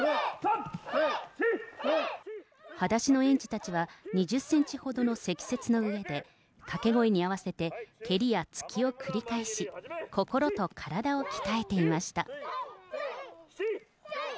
裸足の園児たちは、２０センチほどの積雪の上で、かけ声に合わせて、蹴りや突きを繰り返し、心と体を鍛えていました。